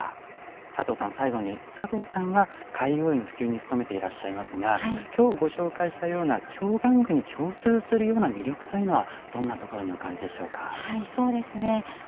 佐藤さん、最後に佐藤さんは貝覆いの普及に努めてらっしゃいますがきょうご紹介したような京玩具に共通するような魅力というのはどんなところにお感じでしょうか。